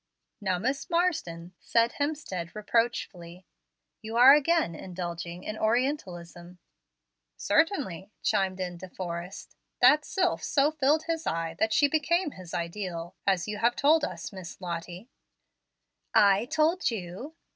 "Now, Miss Marsden," said Hemstead, reproachfully, "you are again indulging in orientalism." "Certainly," chimed in De Forrest; "that sylph so filled his eye that she became his ideal, as you told us, Miss Lottie." "I told you?"